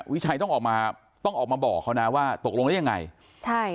วิชัยต้องออกมาต้องออกมาบอกเขานะว่าตกลงแล้วยังไงใช่